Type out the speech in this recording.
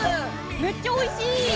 めっちゃおいしい！